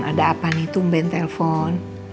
ada apa nih tumben telpon